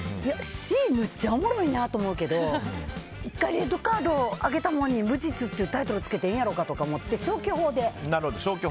Ｃ、むっちゃおもろいなと思うけど１回レッドカード上げたのに「無実」ってタイトルあげてええんかなって消去法で。